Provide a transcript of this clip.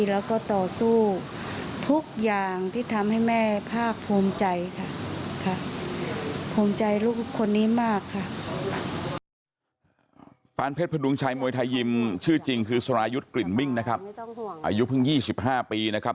แล้วก็ต่อสู้ทุกอย่างที่ทำให้แม่ภาคภูมิใจค่ะ